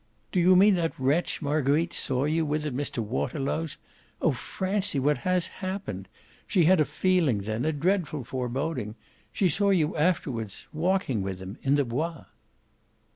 "Do you mean that wretch Marguerite saw you with at Mr. Waterlow's? Oh Francie, what has happened? She had a feeling then, a dreadful foreboding. She saw you afterwards walking with him in the Bois."